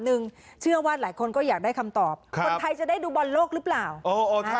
ผู้ไทยจะได้ดูบรรโลกหรือไม่